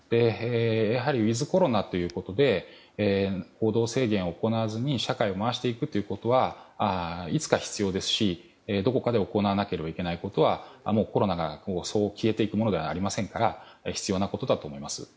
やはりウィズコロナということで行動制限を行わずに社会を回していくということはいつか必要ですしどこかで行わなければいけないことはコロナがそう消えていくものではありませんから必要なことだと思います。